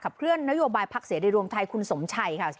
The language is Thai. เคลื่อนนโยบายพักเสรีรวมไทยคุณสมชัยค่ะ